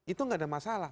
itu gak ada masalah